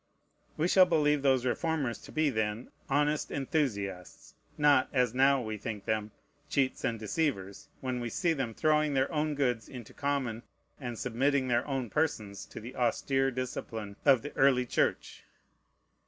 We shall believe those reformers to be then honest enthusiasts, not, as now we think them, cheats and deceivers, when we see them throwing their own goods into common, and submitting their own persons to the austere discipline of the early Church.